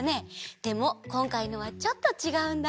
でもこんかいのはちょっとちがうんだ。